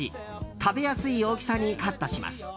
食べやすい大きさにカットします。